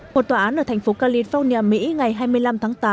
một tòa án ở thành phố california mỹ ngày hai mươi năm tháng tám